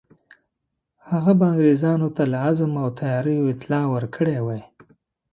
هغه به انګرېزانو ته له عزم او تیاریو اطلاع ورکړې وای.